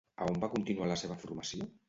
A on va continuar la seva formació?